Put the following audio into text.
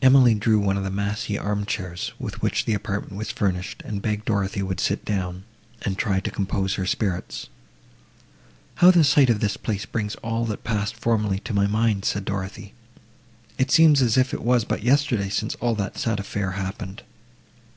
Emily drew one of the massy arm chairs, with which the apartment was furnished, and begged Dorothée would sit down, and try to compose her spirits. "How the sight of this place brings all that passed formerly to my mind!" said Dorothée; "it seems as if it was but yesterday since all that sad affair happened!"